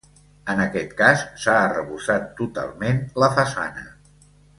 En aquest cas s'ha arrebossat totalment la façana.